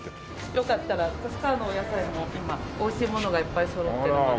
よかったら立川のお野菜も今美味しいものがいっぱいそろってるので。